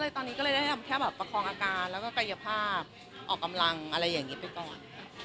ตอนนี้ก็เลยได้ทำแค่แบบประคองอาการแล้วก็กายภาพออกกำลังอะไรอย่างนี้ไปก่อน